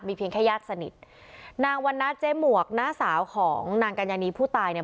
เพียงแค่ญาติสนิทนางวันนาเจ๊หมวกน้าสาวของนางกัญญานีผู้ตายเนี่ย